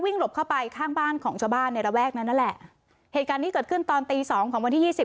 หลบเข้าไปข้างบ้านของชาวบ้านในระแวกนั้นนั่นแหละเหตุการณ์นี้เกิดขึ้นตอนตีสองของวันที่ยี่สิบ